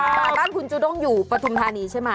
ใช่แล้วตอนคุณจุดงอยู่ปฐุมธานีใช่ไหม